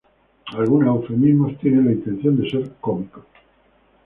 Algunos eufemismos tienen la intención de ser cómicos.